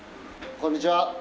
こんにちは。